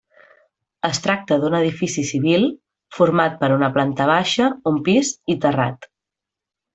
Es tracta d'un edifici civil format per una planta baixa, un pis i terrat.